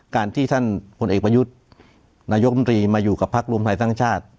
การที่ท่านพลเอกประยุทธ์นายกรรมตรีมาอยู่กับพักรวมไทยสร้างชาติ